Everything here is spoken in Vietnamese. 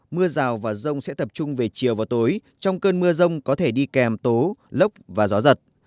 mưa rào và rông sẽ tập trung về chiều và tối trong cơn mưa rông có thể đi kèm tố lốc và gió giật